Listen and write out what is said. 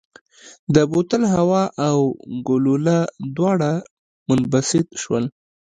د بوتل هوا او ګلوله دواړه منبسط شول.